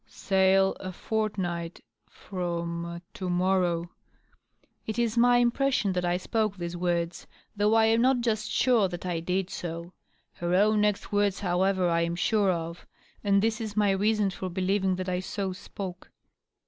"Sail .. a fortnight .• from .• to morrow." It is my im pression that I spoke mese words, though I am not just sure that I did so. Her own next words, however, I am sure of; and this is my reason for believingthat I so spoke.